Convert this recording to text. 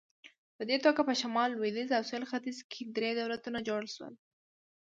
په دې توګه په شمال، لوېدیځ او سویل ختیځ کې درې دولتونه جوړ شول.